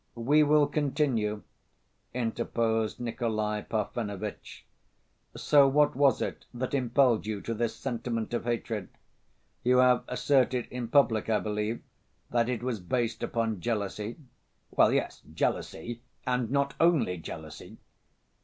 "We will continue," interposed Nikolay Parfenovitch. "So what was it that impelled you to this sentiment of hatred? You have asserted in public, I believe, that it was based upon jealousy?" "Well, yes, jealousy. And not only jealousy."